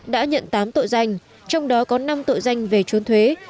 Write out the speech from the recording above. đã nhận tám tội danh trong đó có năm tội danh về trốn thuế